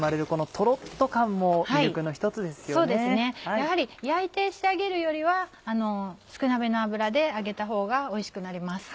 やはり焼いて仕上げるよりは少なめの油で揚げたほうがおいしくなります。